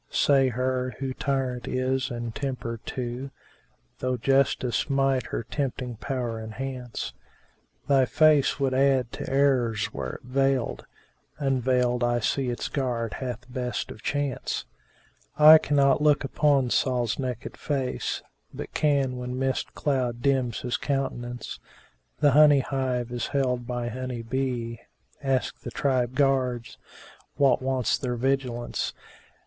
Say her, who tyrant is and tempter too * (Though justice might her tempting power enhance):— Thy face would add to errors were it veiled; * Unveiled I see its guard hath best of chance! Eye cannot look upon Sol's naked face; * But can, when mist cloud dims his countenance: The honey hive is held by honey bee;[FN#386] * Ask the tribe guards what wants their vigilance?